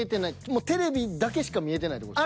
もうテレビだけしか見えてないって事ですか？